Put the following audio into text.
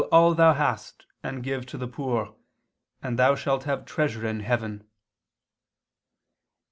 'what'] thou hast, and give to the poor, and thou shalt have treasure in heaven."